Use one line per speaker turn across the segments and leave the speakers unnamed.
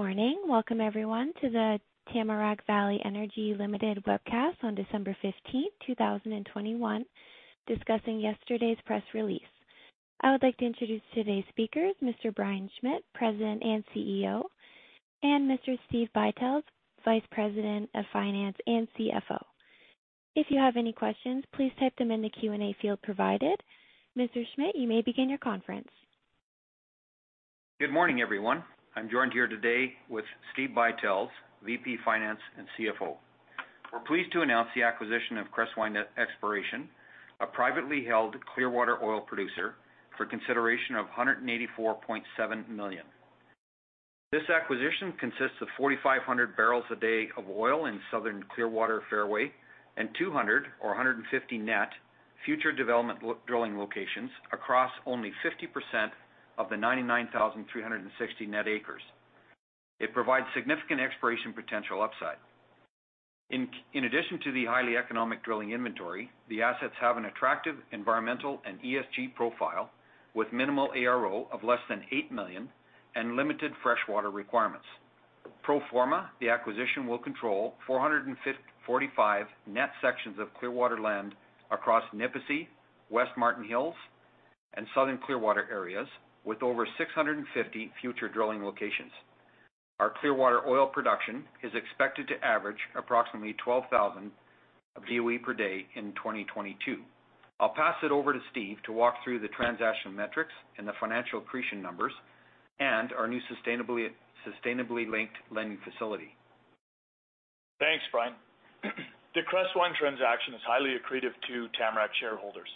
Good morning. Welcome, everyone, to the Tamarack Valley Energy Ltd. webcast on December 15th, 2021, discussing yesterday's press release. I would like to introduce today's speakers, Mr. Brian Schmidt, President and CEO, and Mr. Steve Buytels, Vice President of Finance and CFO. If you have any questions, please type them in the Q&A field provided. Mr. Schmidt, you may begin your conference.
Good morning, everyone. I'm joined here today with Steve Buytels, Vice President Finance and CFO. We're pleased to announce the acquisition of Crestwynd Exploration, a privately held Clearwater oil producer, for consideration of 184.7 million. This acquisition consists of 4,500 barrels a day of oil in Southern Clearwater Fairway and 250 net future development drilling locations across only 50% of the 99,360 net acres. It provides significant exploration potential upside. In addition to the highly economic drilling inventory, the assets have an attractive environmental and ESG profile with minimal ARO of less than 8 million and limited freshwater requirements. Pro forma, the acquisition will control 445 net sections of Clearwater land across Nipisi, West Martin Hills, and Southern Clearwater areas with over 650 future drilling locations. Our Clearwater oil production is expected to average approximately 12,000 BOE per day in 2022. I'll pass it over to Steve to walk through the transaction metrics and the financial accretion numbers and our new sustainability-linked lending facility.
Thanks, Brian. The Crestwynd transaction is highly accretive to Tamarack shareholders.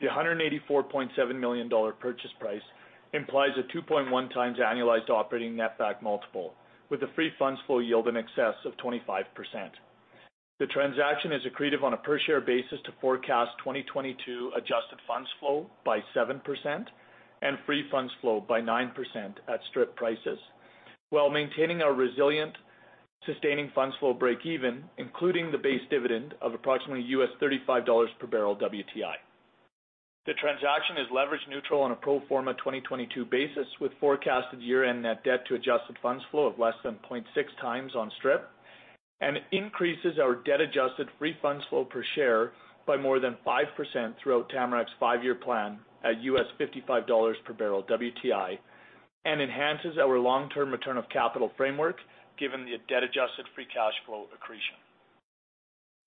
The 184.7 million dollar purchase price implies a 2.1x annualized operating netback multiple with a free funds flow yield in excess of 25%. The transaction is accretive on a per share basis to forecast 2022 adjusted funds flow by 7% and free funds flow by 9% at strip prices, while maintaining our resilient sustaining funds flow break even, including the base dividend of approximately $35 per barrel WTI. The transaction is leverage neutral on a pro forma 2022 basis, with forecasted year-end net debt to adjusted funds flow of less than 0.6x on strip and increases our debt adjusted free funds flow per share by more than 5% throughout Tamarack's five-year plan at $55 per barrel WTI, and enhances our long-term return of capital framework given the debt adjusted free cash flow accretion. We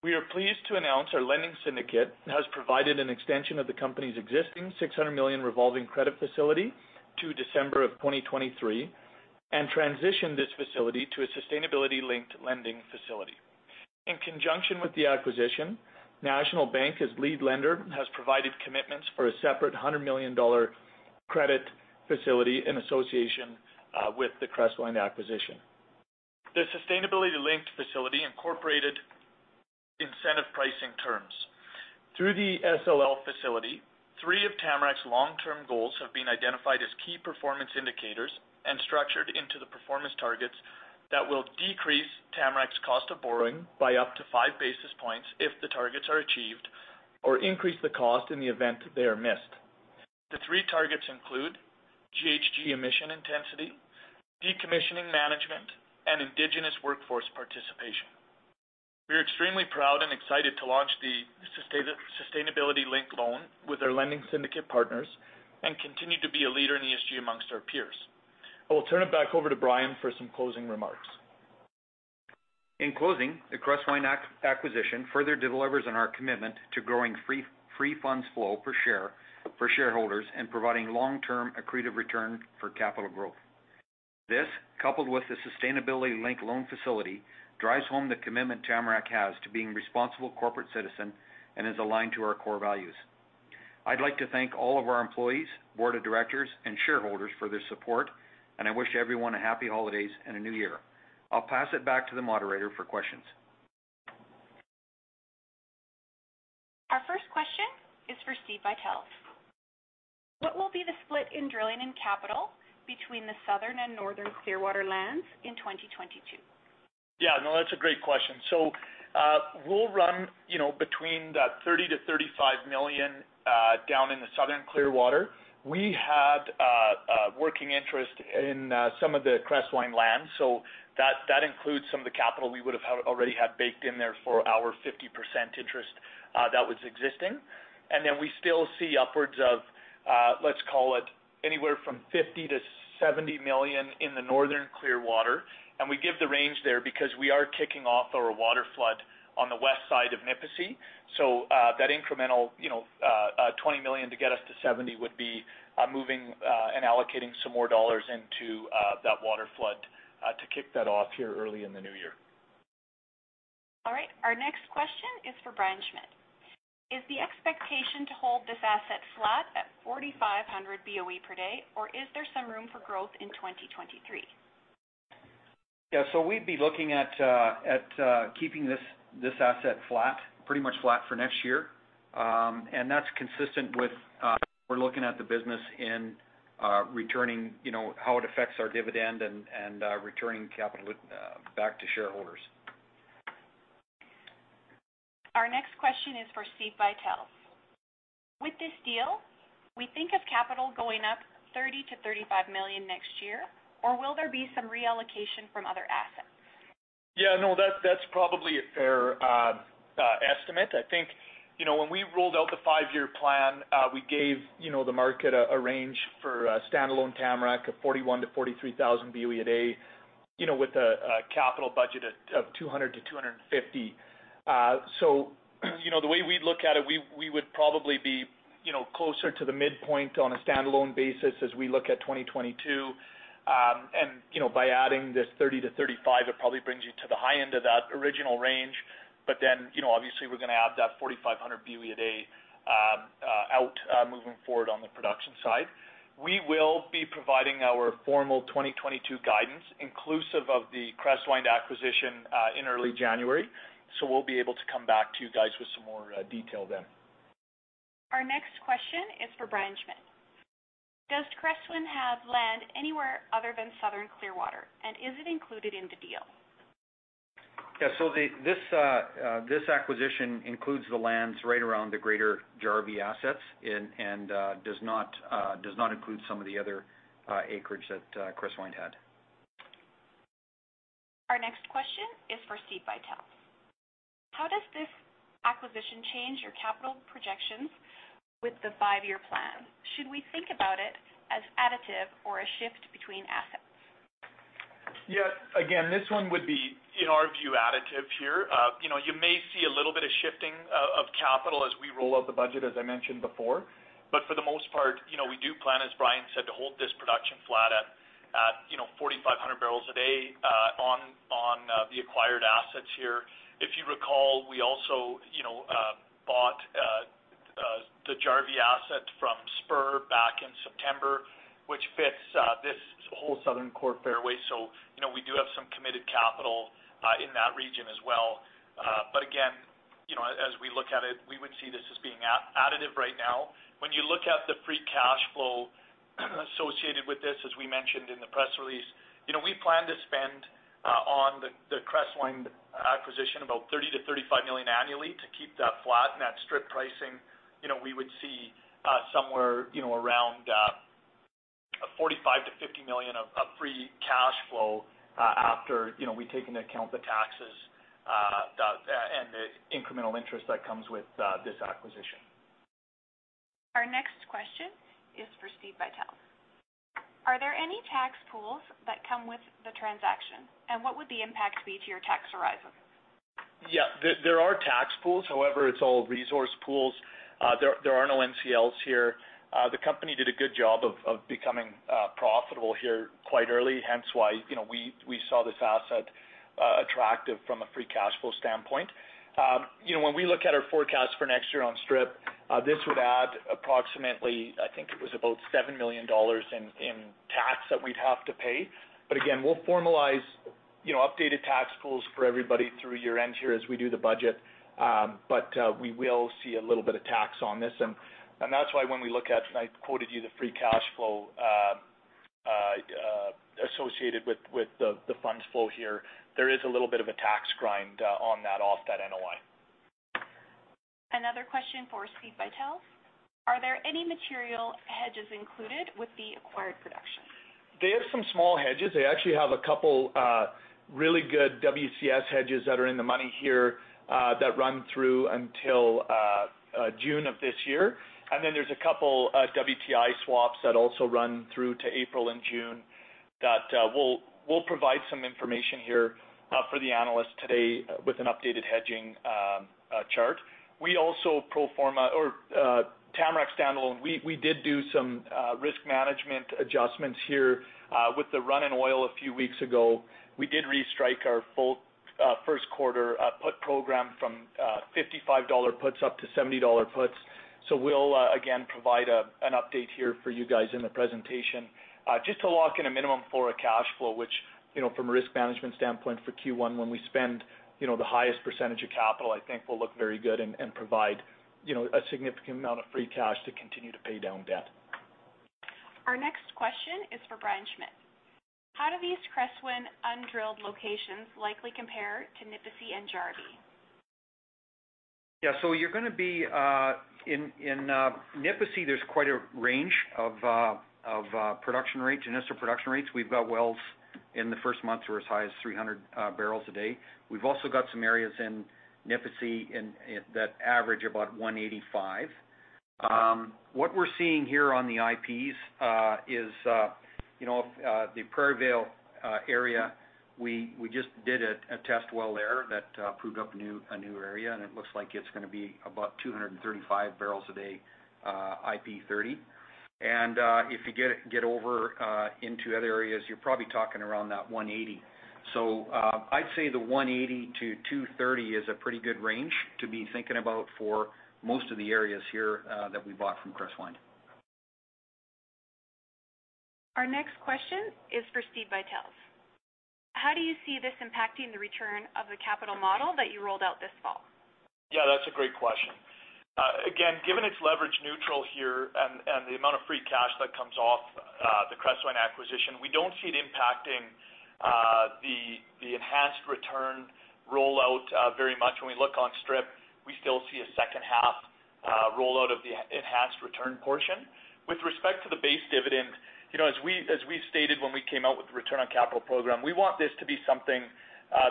are pleased to announce our lending syndicate has provided an extension of the company's existing 600 million revolving credit facility to December 2023 and transitioned this facility to a sustainability linked lending facility. In conjunction with the acquisition, National Bank as lead lender, has provided commitments for a separate 100 million dollar credit facility in association with the Crestwynd acquisition. The sustainability linked facility incorporated incentive pricing terms. Through the SLL facility, three of Tamarack's long-term goals have been identified as key performance indicators and structured into the performance targets that will decrease Tamarack's cost of borrowing by up to 5 basis points if the targets are achieved or increase the cost in the event they are missed. The three targets include GHG emission intensity, decommissioning management, and Indigenous workforce participation. We are extremely proud and excited to launch the sustainability link loan with our lending syndicate partners and continue to be a leader in ESG amongst our peers. I will turn it back over to Brian for some closing remarks.
In closing, the Crestwynd acquisition further delivers on our commitment to growing free funds flow per share for shareholders and providing long-term accretive return for capital growth. This, coupled with the sustainability link loan facility, drives home the commitment Tamarack has to being responsible corporate citizen and is aligned to our core values. I'd like to thank all of our employees, board of directors, and shareholders for their support, and I wish everyone a happy holidays and a new year. I'll pass it back to the moderator for questions.
Our first question is for Steve Buytels. What will be the split in drilling and capital between the southern and northern Clearwater lands in 2022?
Yeah, no, that's a great question. We'll run, you know, between that 30 million-35 million down in the southern Clearwater. We had working interest in some of the Crestwynd land, so that includes some of the capital we already had baked in there for our 50% interest that was existing. Then we still see upwards of, let's call it anywhere from 50 million-70 million in the northern Clearwater. We give the range there because we are kicking off our water flood on the west side of Nipisi. That incremental, you know, 20 million to get us to 70 would be moving and allocating some more dollars into that water flood to kick that off here early in the new year.
All right. Our next question is for Brian Schmidt. Is the expectation to hold this asset flat at 4,500 BOE per day, or is there some room for growth in 2023?
Yeah, we'd be looking at keeping this asset flat, pretty much flat for next year. That's consistent with how we're looking at the business and returning, you know, how it affects our dividend and returning capital back to shareholders.
Our next question is for Steve Buytels. With this deal, we think of capital going up 30 million-35 million next year, or will there be some reallocation from other assets?
Yeah, no, that's probably a fair estimate. I think, you know, when we rolled out the five-year plan, we gave, you know, the market a range for standalone Tamarack of 41,000-43,000 BOE a day, you know, with a capital budget of 200-250. You know, the way we look at it, we would probably be, you know, closer to the midpoint on a standalone basis as we look at 2022. You know, by adding this 30-35, it probably brings you to the high end of that original range. You know, obviously we're gonna add that 4,500 BOE a day moving forward on the production side. We will be providing our formal 2022 guidance inclusive of the Crestwynd acquisition in early January. We'll be able to come back to you guys with some more detail then.
Our next question is for Brian Schmidt. Does Crestwynd have land anywhere other than Southern Clearwater, and is it included in the deal?
This acquisition includes the lands right around the greater Jarvie assets and does not include some of the other acreage that Crestwynd had.
Our next question is for Steve Buytels. How does this acquisition change your capital projections with the five-year plan? Should we think about it as additive or a shift between assets?
Yeah. Again, this one would be, in our view, additive here. You know, you may see a little bit of shifting of capital as we roll out the budget, as I mentioned before. For the most part, you know, we do plan, as Brian said, to hold this production flat at 4,500 barrels a day on the acquired assets here. If you recall, we also, you know, bought the Jarvie asset from Spur back in September, which fits this whole southern core fairway. You know, we do have some committed capital in that region as well. Again, you know, as we look at it, we would see this as being additive right now. When you look at the free cash flow associated with this, as we mentioned in the press release, you know, we plan to spend on the Crestwynd acquisition about 30-35 million annually to keep that flat. At strip pricing, you know, we would see somewhere around 45-50 million of free cash flow after we take into account the taxes, and the incremental interest that comes with this acquisition.
Our next question is for Steve Buytels. Are there any tax pools that come with the transaction, and what would the impact be to your tax horizon?
Yeah. There are tax pools, however, it's all resource pools. There are no NCLs here. The company did a good job of becoming profitable here quite early, hence why, you know, we saw this asset attractive from a free cash flow standpoint. You know, when we look at our forecast for next year on strip, this would add approximately, I think it was about 7 million dollars in tax that we'd have to pay. Again, we'll formalize, you know, updated tax pools for everybody through year-end here as we do the budget. We will see a little bit of tax on this. That's why when we look at and I quoted you the free cash flow associated with the funds flow here, there is a little bit of a tax grind on that off that NOI.
Another question for Steve Buytels. Are there any material hedges included with the acquired production?
They have some small hedges. They actually have a couple really good WCS hedges that are in the money here that run through until June of this year. Then there's a couple WTI swaps that also run through to April and June that we'll provide some information here for the analyst today with an updated hedging chart. We also pro forma or Tamarack standalone, we did do some risk management adjustments here with the run in oil a few weeks ago. We did restrike our full Q1 put program from 55 dollar puts up to 70 dollar puts. We'll again provide an update here for you guys in the presentation, just to lock in a minimum for a cash flow, which, you know, from a risk management standpoint for Q1, when we spend, you know, the highest percentage of capital, I think will look very good and provide, you know, a significant amount of free cash to continue to pay down debt.
Our next question is for Brian Schmidt. How do these Crestwynd undrilled locations likely compare to Nipisi and Jarvie?
Yeah. You're gonna be in Nipisi. There's quite a range of production rates, initial production rates. We've got wells in the first month who are as high as 300 barrels a day. We've also got some areas in Nipisi that average about 185. What we're seeing here on the IPs is you know the Prairie Vale area. We just did a test well there that proved up a new area, and it looks like it's gonna be about 235 barrels a day IP30. If you get over into other areas, you're probably talking around that 180. I'd say the 180-230 is a pretty good range to be thinking about for most of the areas here, that we bought from Crestwynd.
Our next question is for Steve Buytels. How do you see this impacting the return of the capital model that you rolled out this fall?
Yeah, that's a great question. Again, given it's leverage neutral here and the amount of free cash that comes off the Crestwynd acquisition, we don't see it impacting the enhanced return rollout very much. When we look on strip, we still see a second half rollout of the enhanced return portion. With respect to the base dividend, you know, as we stated when we came out with return on capital program, we want this to be something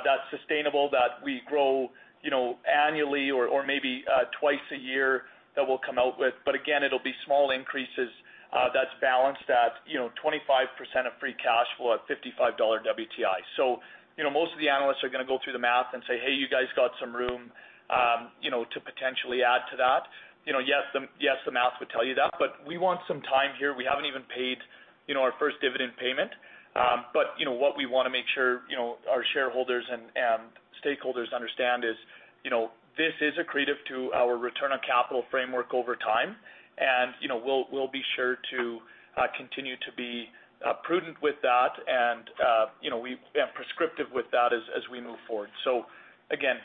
that's sustainable, that we grow, you know, annually or maybe twice a year that we'll come out with. Again, it'll be small increases that's balanced at, you know, 25% of free cash flow at 55 dollar WTI. You know, most of the analysts are gonna go through the math and say, "Hey, you guys got some room, you know, to potentially add to that." You know, yes, the math would tell you that, but we want some time here. We haven't even paid, you know, our first dividend payment. You know, what we wanna make sure, you know, our shareholders and stakeholders understand is, you know, this is accretive to our return on capital framework over time. You know, we'll be sure to continue to be prudent with that and, you know, and prescriptive with that as we move forward. Again,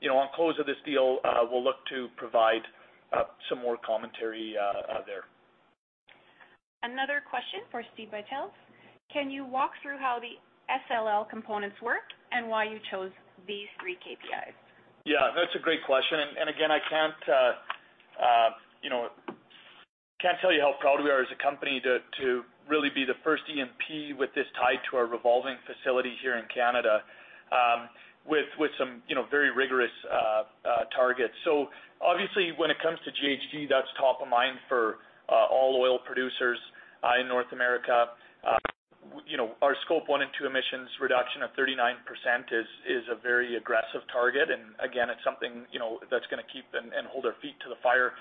you know, on close of this deal, we'll look to provide some more commentary there.
Another question for Steve Buytels. Can you walk through how the SLL components work and why you chose these three KPIs?
Yeah, that's a great question. Again, I can't, you know, tell you how proud we are as a company to really be the first E&P with this tied to our revolving facility here in Canada, with some, you know, very rigorous targets. Obviously, when it comes to GHG, that's top of mind for all oil producers in North America. You know, our scope one and two emissions reduction of 39% is a very aggressive target. Again, it's something, you know, that's gonna keep and hold our feet to the fire.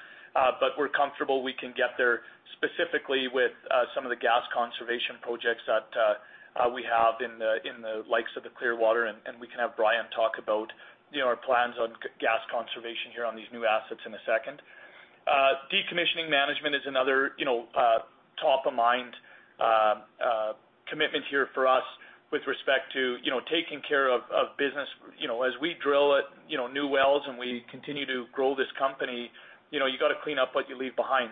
We're comfortable we can get there specifically with some of the gas conservation projects that we have in the likes of the Clearwater, and we can have Brian talk about, you know, our plans on gas conservation here on these new assets in a second. Decommissioning management is another, you know, top of mind commitment here for us with respect to, you know, taking care of business. You know, as we drill, you know, new wells and we continue to grow this company, you know, you gotta clean up what you leave behind.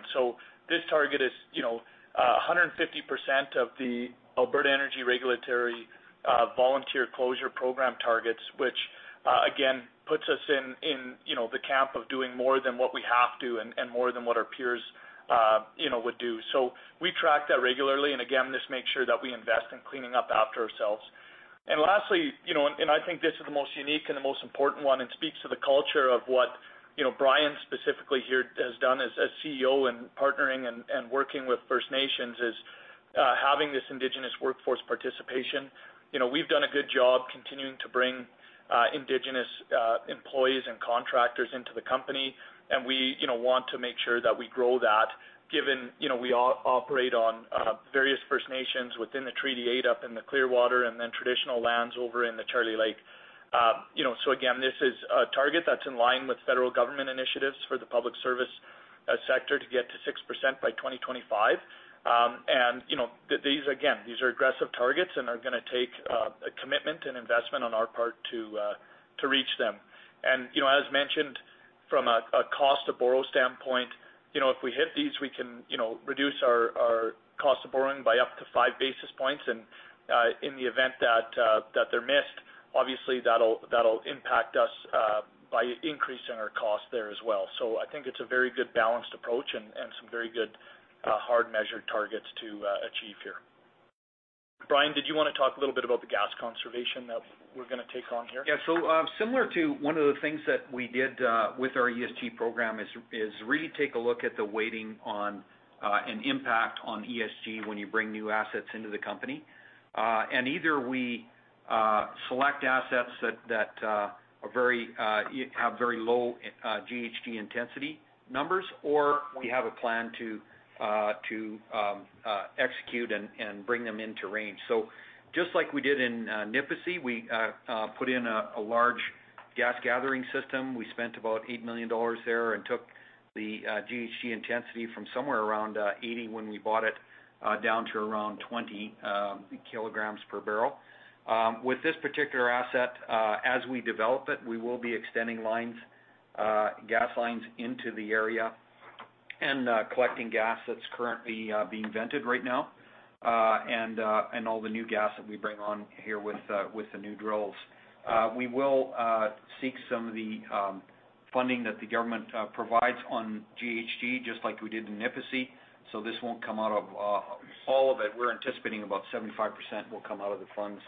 This target is, you know, 150% of the Alberta Energy Regulator Voluntary Closure Program targets, which, again, puts us in you know, the camp of doing more than what we have to and more than what our peers you know, would do. We track that regularly, and again, just make sure that we invest in cleaning up after ourselves. Lastly, you know, I think this is the most unique and the most important one and speaks to the culture of what, you know, Brian specifically here has done as CEO in partnering and working with First Nations is having this Indigenous workforce participation. You know, we've done a good job continuing to bring Indigenous employees and contractors into the company, and we, you know, want to make sure that we grow that given, you know, we operate on various First Nations within the Treaty 8 up in the Clearwater and then traditional lands over in the Charlie Lake. You know, again, this is a target that's in line with federal government initiatives for the public service sector to get to 6% by 2025. You know, these again, these are aggressive targets and are gonna take a commitment and investment on our part to reach them. You know, as mentioned, from a cost of borrow standpoint, you know, if we hit these, we can, you know, reduce our cost of borrowing by up to 5 basis points. In the event that they're missed, obviously that'll impact us by increasing our cost there as well. I think it's a very good balanced approach and some very good hard measured targets to achieve here. Brian, did you wanna talk a little bit about the gas conservation that we're gonna take on here?
Yeah. Similar to one of the things that we did with our ESG program is really take a look at the weighting on and impact on ESG when you bring new assets into the company. Either we select assets that have very low GHG intensity numbers, or we have a plan to execute and bring them into range. Just like we did in Nipisi, we put in a large gas gathering system. We spent about 8 million dollars there and took the GHG intensity from somewhere around 80 when we bought it down to around 20 kg per barrel. With this particular asset, as we develop it, we will be extending lines, gas lines into the area and collecting gas that's currently being vented right now, and all the new gas that we bring on here with the new drills. We will seek some of the funding that the government provides on GHG, just like we did in Nipisi, so this won't come out of all of it. We're anticipating about 75% will come out of the funds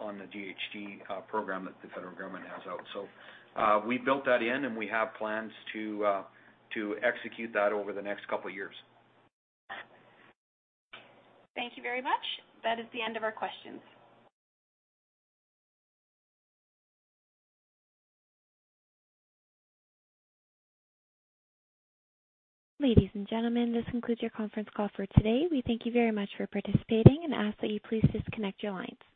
on the GHG program that the federal government has out. We built that in, and we have plans to execute that over theenext couple years.
Thank you very much. That is the end of our questions.
Ladies and gentlemen, this concludes your conference call for today. We thank you very much for participating and ask that you please disconnect your lines.